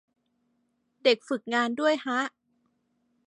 เด็กฝึกงานด้วยฮะ